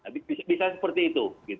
bisa seperti itu